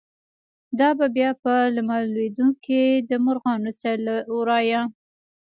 دابه بیا په لمر لویدوکی، دمرغانو سیل له ورایه”